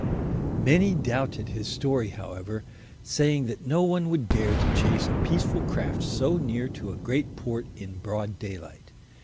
Many doubted his story, however, saying that no one would dare to chase a peaceful craft so near to a great port in broad daylight.